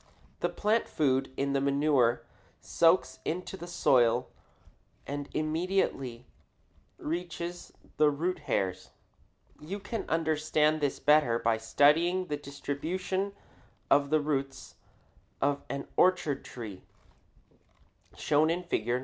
The plant food in the manure soaks into the soil and immediately reaches the root hairs. You can understand this better by studying the distribution of the roots of an orchard tree, shown in Fig.